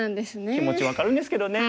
気持ち分かるんですけどね。